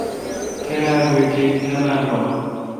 کیرا بی ٹک نہ بال والہ۔